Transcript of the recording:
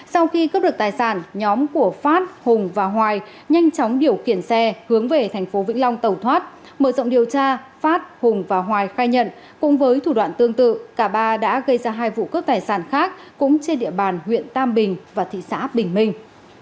sau khi cướp được tài sản nhóm của phát hùng và hoài nhanh chóng điều khiển xe hướng về thành phố vĩnh long tẩu thoát mở rộng điều tra phát hùng và hoài khai nhận cùng với thủ đoạn tương tự cả ba đã gây ra hai vụ cướp tài sản khác cũng trên địa bàn huyện tam bình và thị xã bình minh